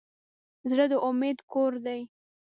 زړه د امید کور دی.